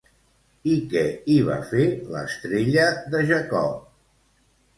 I què hi va fer l'estrella de Jacob?